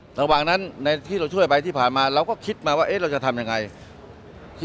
ระหว่างนั้นในที่เราช่วยไปที่ผ่านมาเราก็คิดมาว่าเราจะทำยังไง